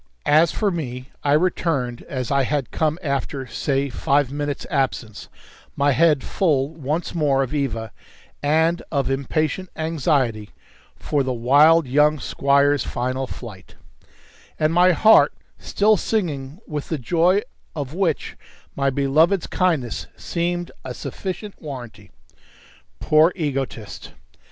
As for me, I returned as I had come after (say) five minutes' absence; my head full once more of Eva, and of impatient anxiety for the wild young squire's final flight; and my heart still singing with the joy of which my beloved's kindness seemed a sufficient warranty. Poor egotist!